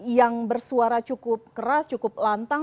yang bersuara cukup keras cukup lantang